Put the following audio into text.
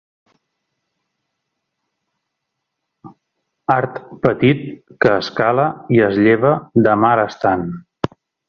Art petit que es cala i es lleva de mar estant.